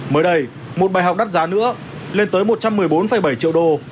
mới đây một bài học đắt giá nữa lên tới một trăm một mươi bốn bảy triệu đô